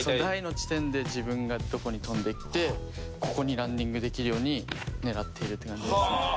台の地点で自分がどこに飛んでいってここにランディングできるように狙っているって感じですね。